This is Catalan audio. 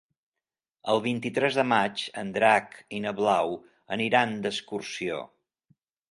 El vint-i-tres de maig en Drac i na Blau aniran d'excursió.